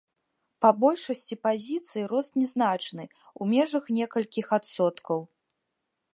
Па большасці пазіцый рост нязначны, у межах некалькіх адсоткаў.